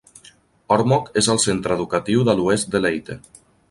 Ormoc és el centre educatiu de l'oest de Leyte.